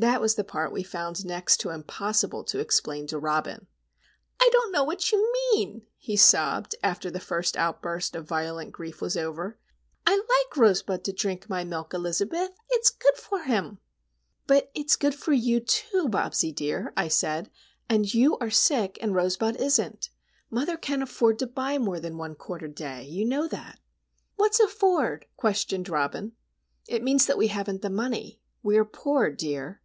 That was the part we found next to impossible to explain to Robin. "I don't know what you mean," he sobbed, after the first outburst of violent grief was over. "I like Rosebud to drink my milk, Elizabeth. It's good for him." "But it's good for you, too, Bobsie dear," I said. "And you are sick, and Rosebud isn't. Mother can't afford to buy more than one quart a day,—you know that." "What's 'afford'?" questioned Robin. "It means that we haven't the money. We are poor, dear."